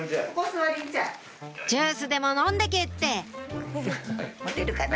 ・「ジュースでも飲んでけ」って・持てるかな？